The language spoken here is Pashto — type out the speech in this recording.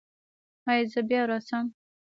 ایا زه بیا راشم؟